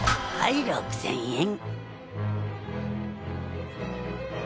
はい６，０００円。